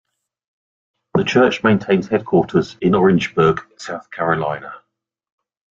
The church maintains headquarters in Orangeburg, South Carolina.